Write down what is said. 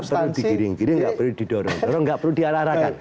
tidak perlu dikiring kiring tidak perlu didorong tidak perlu diarang arangkan